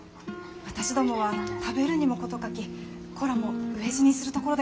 私どもは食べるにも事欠き子らも飢え死にするところでございました。